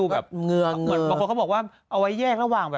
บางคนเขาบอกว่าเอาไว้แยกระหว่าง